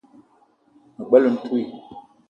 Me bela ntouii